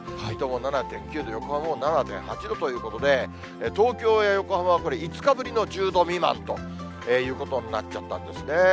水戸も７．９度、横浜も７．８度ということで、東京や横浜は５日ぶりの１０度未満ということになっちゃったんですね。